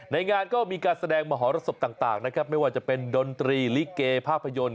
งานก็มีการแสดงมหรสบต่างนะครับไม่ว่าจะเป็นดนตรีลิเกภาพยนตร์